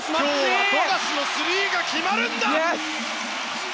今日は富樫のスリーが決まるんだ！